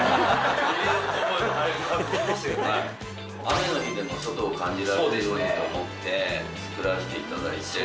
雨の日でも外を感じられるようにと思って造らしていただいて。